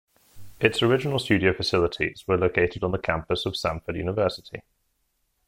Its original studio facilities were located on the campus of Samford University.